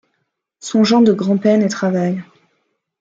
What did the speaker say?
Sont gens de grand penne et travail.